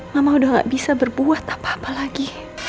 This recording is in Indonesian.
mama udah gak bisa berbuat apa apa lagi